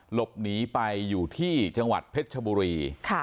หลบหนีไปอยู่ที่จังหวัดเพชรชบุรี